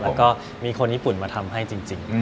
แล้วก็มีคนญี่ปุ่นมาทำให้จริง